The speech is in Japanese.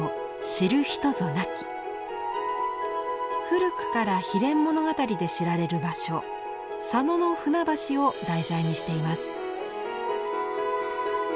古くから悲恋物語で知られる場所佐野の舟橋を題材にしています。